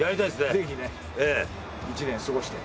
ぜひね１年過ごして。